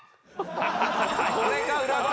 これか裏声。